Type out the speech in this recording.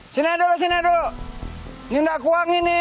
sini dulu sini dulu ini tidak kuang ini